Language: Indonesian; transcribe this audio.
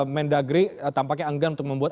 mendagri tampaknya enggan untuk membuat